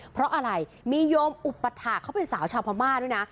เพราะอะไรมีโยมอุปถาคเขาเป็นสาวชาวพม่าด้วยนะ